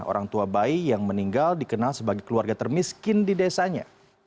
orang tua bayi yang meninggal dikenal sebagai keluarga termiskin di desanya